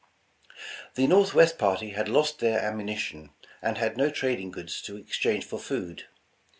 The Northwest party had lost their ammunition, and had no trading goods to exchange for food.